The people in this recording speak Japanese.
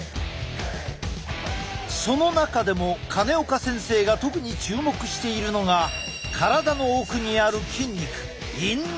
その中でも金岡先生が特に注目しているのが体の奥にある筋肉インナーマッスルなのだ！